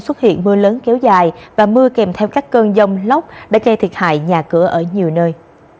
xuất hiện mưa lớn kéo dài và mưa kèm theo các cơn giông lóc đã che thiệt hại nhà cửa ở nhiều nơi